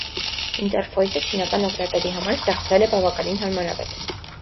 Ինտերֆոյսը չինական օգտատերի համար ստեղծվել է բավականին հարմարավետ։